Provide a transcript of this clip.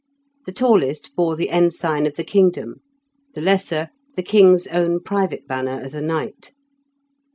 The tallest bore the ensign of the kingdom; the lesser, the king's own private banner as a knight.